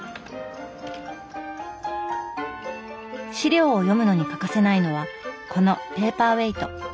資料を読むのに欠かせないのはこのペーパーウエイト。